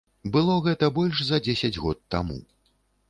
Было гэта больш за дзесяць год таму.